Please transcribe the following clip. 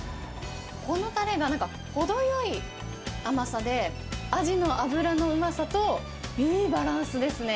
このたれがなんか、ほどよい甘さで、アジの脂のうまさといいバランスですね。